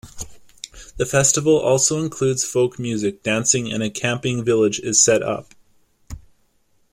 The festival also includes Folk music, dancing and a camping village is set up.